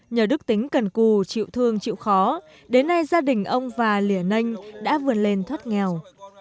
nhờ đức tính cần cù chịu thương chịu khó đến nay gia đình ông và liền ninh đã vươn lên thoát nghèo